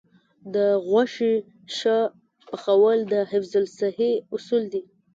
د غوښې ښه پخول د حفظ الصحې اصول دي.